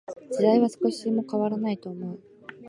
時代は少しも変らないと思う。